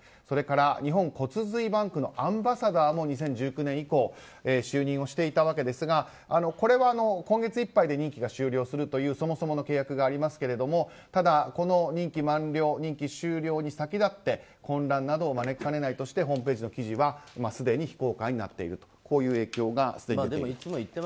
それから日本骨髄バンクのアンバサダーも２０１９年以降就任していたわけですがこれは今月いっぱいで人気が終了するというそもそもの契約がありますけど任期満了、任期終了に先立って混乱などを招きかねないとしてホームページの記事はすでに非公開になっているという情報があります。